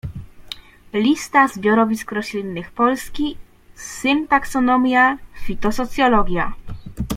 Lista zbiorowisk roślinnych Polski, syntaksonomia, fitosocjologia.